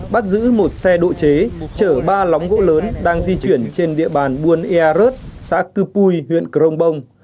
bắt giữ một xe độ chế chở ba lóng gỗ lớn đang di chuyển trên địa bàn buôn earut xã cư bui huyện cronbong